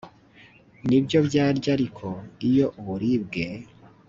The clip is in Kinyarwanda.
nibyo barya ariko iyo uburibwe